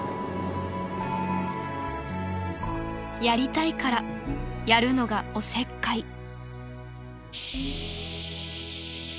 ［やりたいからやるのがおせっかい］